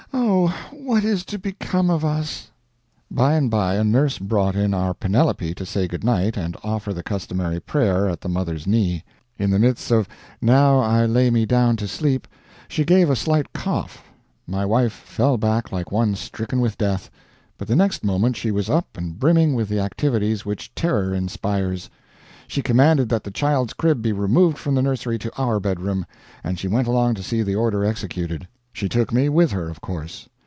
Oh, what is to become of us!" By and by a nurse brought in our Penelope to say good night and offer the customary prayer at the mother's knee. In the midst of "Now I lay me down to sleep," she gave a slight cough! My wife fell back like one stricken with death. But the next moment she was up and brimming with the activities which terror inspires. She commanded that the child's crib be removed from the nursery to our bedroom; and she went along to see the order executed. She took me with her, of course.